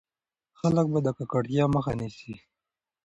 خلک به د ککړتيا مخه ونيسي.